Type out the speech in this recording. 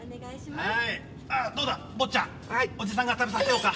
はい。